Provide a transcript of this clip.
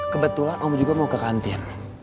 kebetulan om juga mau ke kantin